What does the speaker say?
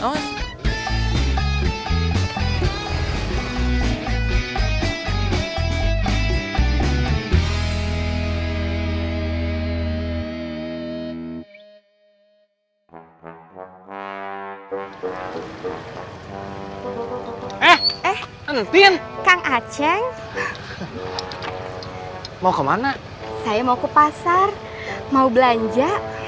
eh eh nanti kang aceh mau kemana saya mau ke pasar mau belanja